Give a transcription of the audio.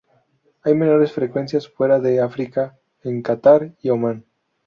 Hay menores frecuencias fuera de África: en Catar y Omán.